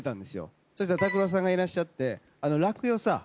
そしたら拓郎さんがいらっしゃって。